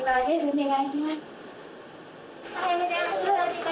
お願いします。